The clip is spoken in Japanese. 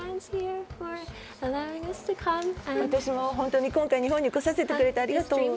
私も本当に今回、日本に来させていただいてありがとう。